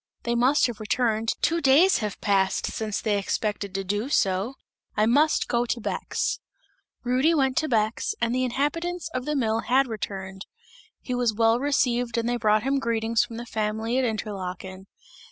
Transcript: "They must have returned, two days have passed since they expected to do so. I must go to Bex!" Rudy went to Bex, and the inhabitants of the mill had returned; he was well received and they brought him greetings from the family at Interlaken.